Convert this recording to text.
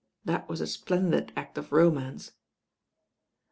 That was a splendid act of romance."